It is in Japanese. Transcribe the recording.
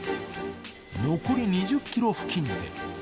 残り２０キロ付近で。